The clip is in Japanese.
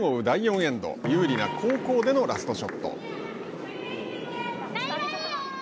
第４エンド有利な後攻でのラストショット。